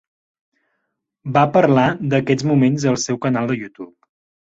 Va parlar d'aquests moments al seu canal de YouTube.